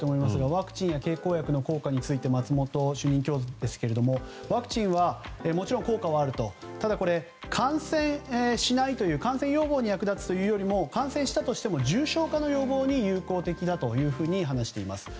ワクチンや経口薬の効果について松本主任教授ですがワクチンはもちろん効果はあるとただ、感染しないという感染予防に役立つというよりも感染したとしても重症化の予防に有効的だというふうに話しています。